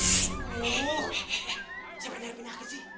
eh siapa yang nyari penyakit sih